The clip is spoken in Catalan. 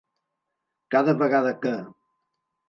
Cada vegada que.